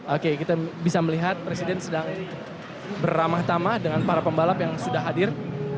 oke kita bisa melihat presiden sedang beramah tamah dengan para pembalap yang sudah hadir